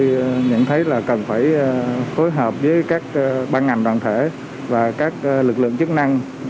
tôi nhận thấy là cần phải phối hợp với các ban ngành đoàn thể và các lực lượng chức năng